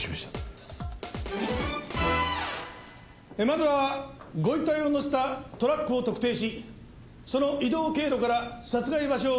まずはご遺体を載せたトラックを特定しその移動経路から殺害場所を割り出せ。